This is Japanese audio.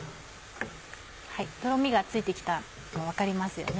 とろみがついて来たの分かりますよね？